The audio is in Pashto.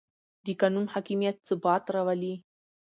د قانون حاکمیت ثبات راولي